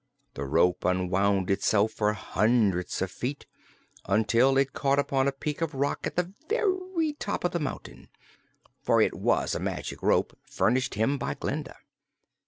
The rope unwound itself for hundreds of feet, until it caught upon a peak of rock at the very top of a mountain, for it was a magic rope furnished him by Glinda.